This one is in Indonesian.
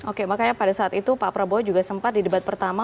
oke makanya pada saat itu pak prabowo juga sempat di debat pertama